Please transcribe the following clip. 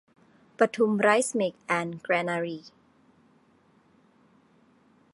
ปทุมไรซมิล แอนด์ แกรนารี